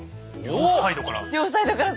両サイドから。